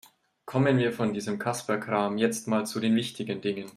Kommen wir von diesem Kasperkram jetzt mal zu den wichtigen Dingen.